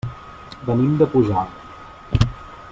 Venim de Pujalt.